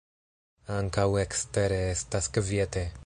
Ankaŭ ekstere estas kviete.